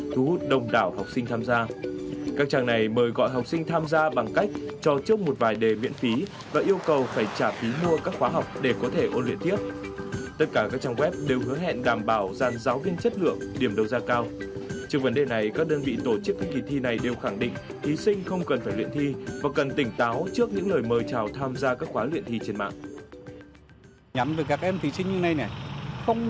thí sinh không cần phải luyện thi và cần tỉnh táo trước những lời mời chào tham gia các quán luyện thi trên mạng